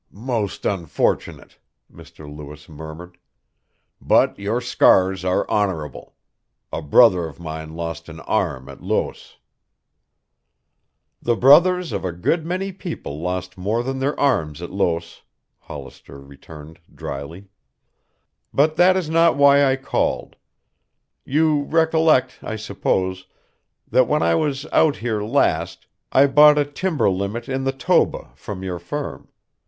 "Most unfortunate," Mr. Lewis murmured. "But your scars are honorable. A brother of mine lost an arm at Loos." "The brothers of a good many people lost more than their arms at Loos," Hollister returned dryly. "But that is not why I called. You recollect, I suppose, that when I was out here last I bought a timber limit in the Toba from your firm.